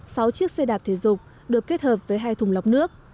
sáu chiếc xe đạp thể dục được kết hợp với hai thùng lọc nước